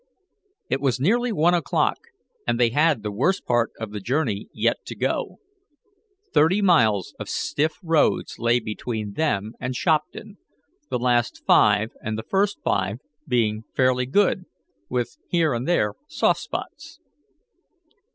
It was nearly one o'clock, and they had the worst part of the journey yet to go. Thirty miles of stiff roads lay between them and Shopton, the last five and the first five being fairly good, with, here and there, soft spots.